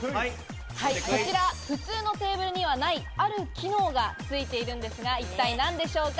こちら、普通のテーブルにはないある機能がついているんですが一体何でしょうか？